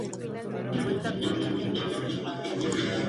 Fue importante durante la Guerra de los Treinta Años.